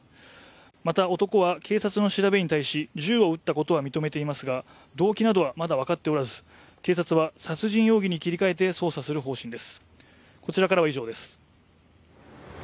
また、男は警察の調べに対し銃を撃ったことは認めていますが、動機などはまだ分かっておらず警察は殺人容疑に切り替えて捜査する方針です。